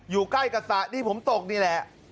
อยู่ใกล้กับสระที่ผมตกนี่แหละ